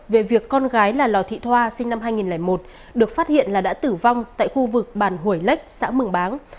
về việc con gái là lò thị thoa sinh năm hai nghìn một được phát hiện là đã tử vong tại khu vực bàn hồi lách xã mừng báng